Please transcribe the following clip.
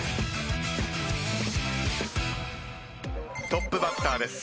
トップバッターです。